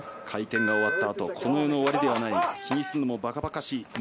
回転が終わったあとこの世の終わりではない気にするのもばかばかしい。